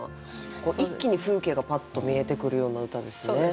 一気に風景がパッと見えてくるような歌ですね。